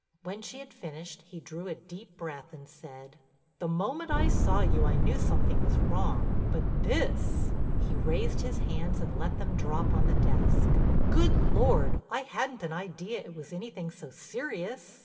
When she had finished he drew a deep breath and said: "The moment I saw you, I knew something was wrong. But this—" he raised his hands and let them drop on the desk—"Good Lord! I hadn't an idea it was anything so serious."